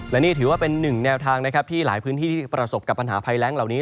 และนี่ถือว่าเป็นหนึ่งแนวทางนะครับที่หลายพื้นที่ที่ประสบกับปัญหาภัยแรงเหล่านี้